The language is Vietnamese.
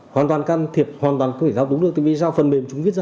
hoàn toàn can thiệp hoàn toàn có thể giao túng được tại vì sao phần mềm chúng viết ra